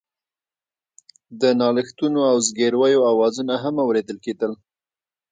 د نالښتونو او زګيرويو آوازونه هم اورېدل کېدل.